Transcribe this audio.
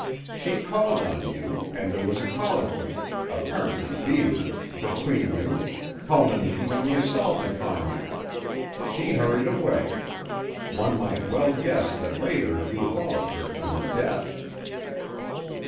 She called on you, and there was a colloquy, apparently vehement, between you, culminating in the assault upon you. She hurried away. One might well guess that later you followed her to her death."